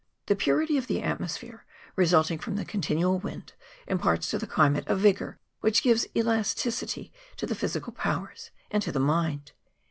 The purity of the atmosphere, resulting from the continual wind, imparts to the climate a vigour which gives elasticity to the physical powers and to the mind.